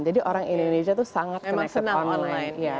jadi orang indonesia itu sangat connect online